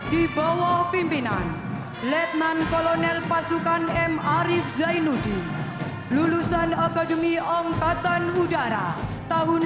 di bawah pimpinan lieutenant kolonel pasukan em arief zainuddin lulusan akademi angkatan udara tahun seribu sembilan ratus sembilan puluh sembilan